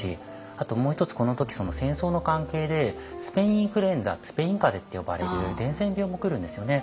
あともう一つこの時戦争の関係でスペインインフルエンザスペイン風邪って呼ばれる伝染病も来るんですよね。